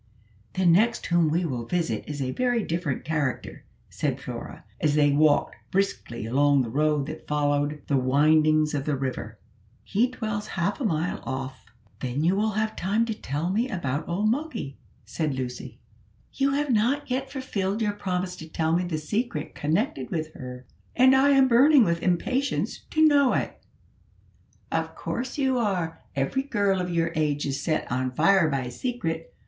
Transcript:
"The next whom we will visit is a very different character," said Flora, as they walked briskly along the road that followed the windings of the river; "he dwells half a mile off." "Then you will have time to tell me about old Moggy," said Lucy. "You have not yet fulfilled your promise to tell me the secret connected with her, and I am burning with impatience to know it." "Of course you are; every girl of your age is set on fire by a secret.